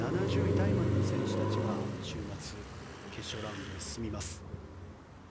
タイまでの選手たちが週末、決勝ラウンドへ進みます。